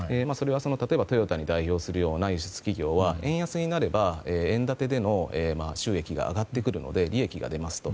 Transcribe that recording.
例えば、トヨタに代表するような輸出企業は、円安になると円建てでの収益が上がってくるので利益が出ますと。